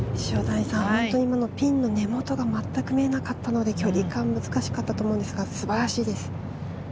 ピンの根元がまったく見えなかったので距離感は難しかったと思うのですが素晴らしいです。